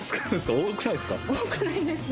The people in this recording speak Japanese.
多くないですよ